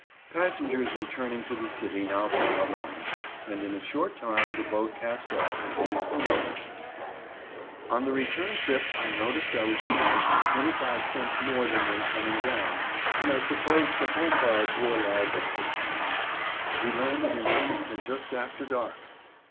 Passengers returning to the city now filed on, and in a short time the boat cast off and headed for Wilmington. On the return trip I noticed I was charged twenty five cents more than when coming down, and I supposed the home guards were allowed this discount. We landed in Wilmington just after dark.